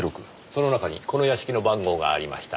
その中にこの屋敷の番号がありました。